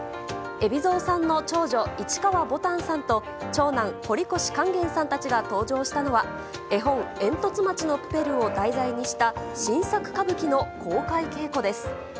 海老蔵さんの長女、市川ぼたんさんと、長男、堀越勸玄さんたちが登場したのは、絵本、えんとつ町のプペルを題材にした新作歌舞伎の公開稽古です。